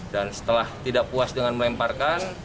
dan setelah tidak puas dengan melemparkan